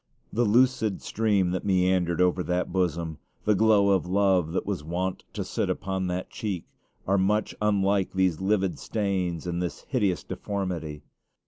The lucid stream that meandered over that bosom, the glow of love that was wont to sit upon that cheek, are much unlike these livid stains and this hideous deformity.